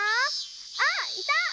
あっいた！